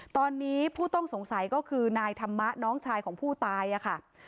ตอนนี้ผู้ต้องสงสัยก็คือนายธรรมะน้องชายของผู้ตายค่ะ